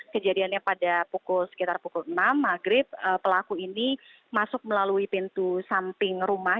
kejadiannya pada sekitar pukul enam maghrib pelaku ini masuk melalui pintu samping rumah